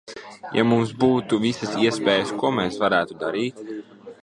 Ja mums būtu visas iespējas, ko mēs varētu darīt?